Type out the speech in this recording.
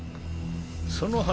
・その話